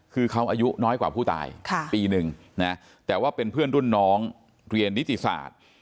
คือเขาอายุน้อยกว่าผู้ตายปีหนึ่งนะแต่ว่าเป็นเพื่อนรุ่นน้องเรียนนิติศาสตร์